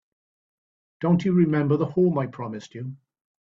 Don't you remember the home I promised you?